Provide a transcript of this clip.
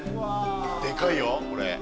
でかいよこれ。